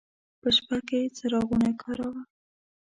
په شپه کې څراغونه کاروه.